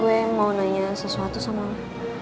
gue mau nanya sesuatu sama